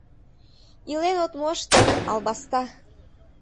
— Илен от мошто, албаста!